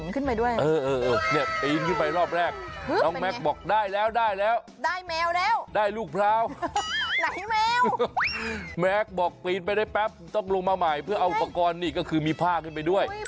คล้ายสวินขึ้นไปด้วยน้องแม็กซ์บอกได้แล้วได้แล้วได้ลูกพร้าวแม็กซ์บอกปีนไปได้แป๊บต้องลงมาใหม่เพื่อเอาอุปกรณ์นี่ก็คือมีผ้าขึ้นไปด้วย